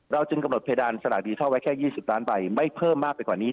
จึงกำหนดเพดานสลากดิทัลไว้แค่๒๐ล้านใบไม่เพิ่มมากไปกว่านี้